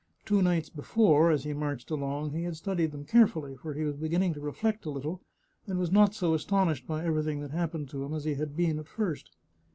Two nights before, as he marched along, he had studied them carefully, for he was beginning to reflect a little, and was not so astonished by everything that happened to him as he had been at first.